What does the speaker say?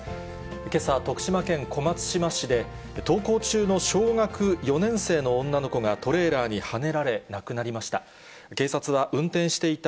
けさ、徳島県小松島市で、登校中の小学４年生の女の子がトレーラーにはねられ、亡くなりました。